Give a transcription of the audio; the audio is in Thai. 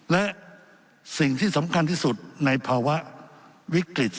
และสิ่งที่สำคัญที่สุดในภาวะวิกฤต